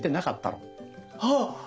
あっ！